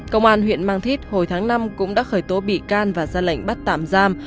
công an huyện mang thít hồi tháng năm cũng đã khởi tố bị can và ra lệnh bắt tạm giam